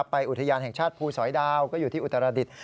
อุทยานแห่งชาติภูสอยดาวก็อยู่ที่อุตรดิษฐ